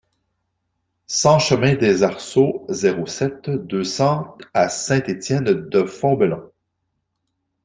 cent chemin des Arceaux, zéro sept, deux cents à Saint-Étienne-de-Fontbellon